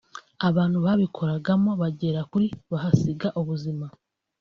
abantu babikoragamo bagera kuri bahasiga ubuzima